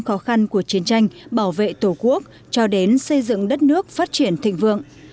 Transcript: khó khăn của chiến tranh bảo vệ tổ quốc cho đến xây dựng đất nước phát triển thịnh vượng